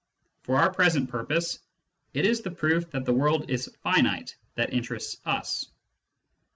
For our present purpose, it is the proof that the world is finite that interests us.